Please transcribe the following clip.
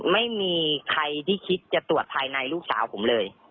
ไม่มีใครที่คิดจะตรวจภายในลูกสาวผมเลย